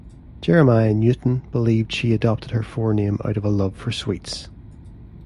Jeremiah Newton believed she adopted her forename out of a love for sweets.